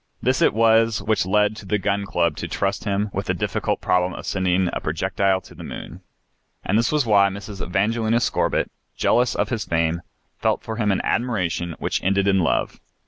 This it was which led the Gun Club to trust him with the difficult problem of sending a projectile to the moon. And this was why Mrs. Evangelina Scorbitt, jealous of his fame, felt for him an admiration which ended in love.